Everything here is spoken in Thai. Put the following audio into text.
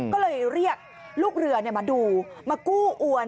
ก็เลยเรียกลูกเรือมาดูมากู้อวน